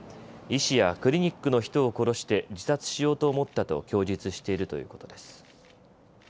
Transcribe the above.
医師やクリニックの人を殺して自殺しようと思ったと供述しているということです。